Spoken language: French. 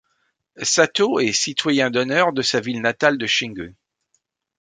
Satō est citoyen d'honneur de sa ville natale de Shingū.